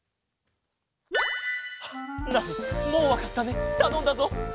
もうわかったねたのんだぞ。